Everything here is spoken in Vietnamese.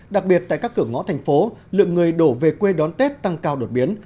đặc biệt tại các cửa ngõ thành phố lượng người đổ về quê đón tết tăng cao đột biến